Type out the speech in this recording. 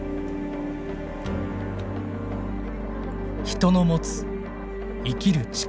人の持つ生きる力。